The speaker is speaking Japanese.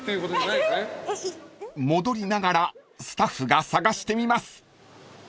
［戻りながらスタッフが捜してみます］